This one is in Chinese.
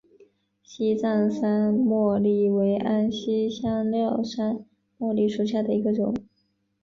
西藏山茉莉为安息香科山茉莉属下的一个种。